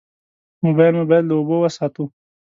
موبایل مو باید له اوبو وساتو.